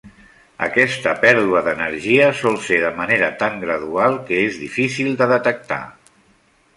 Aquesta pèrdua d'energia sol ser de manera tan gradual que és difícil de detectar.